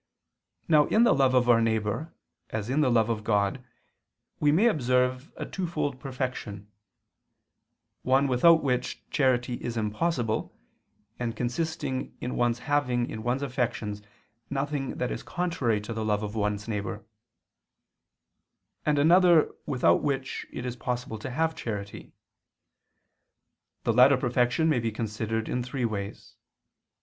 Now in the love of our neighbor, as in the love of God we may observe a twofold perfection: one without which charity is impossible, and consisting in one's having in one's affections nothing that is contrary to the love of one's neighbor; and another without which it is possible to have charity. The latter perfection may be considered in three ways.